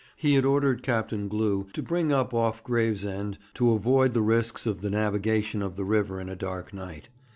He had ordered Captain Glew to bring up off Gravesend to avoid the risks of the navigation of the river in a dark night.